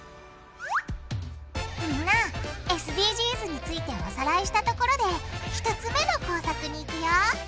ＳＤＧｓについておさらいしたところで１つ目の工作にいくよ！